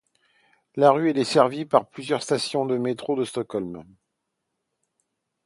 La rue est desservie par plusieurs stations du métro de Stockholm.